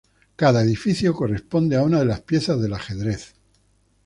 Cada edificio corresponde a una de las piezas del ajedrez.